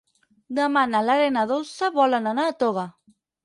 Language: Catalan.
Demà na Lara i na Dolça volen anar a Toga.